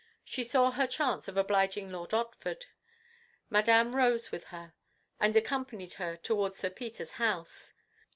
She saw her chance of obliging Lord Otford. Madame rose with her and accompanied her towards Sir Peter's house.